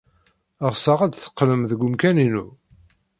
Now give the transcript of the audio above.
Ɣseɣ ad d-teqqlem deg umkan-inu.